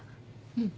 うん。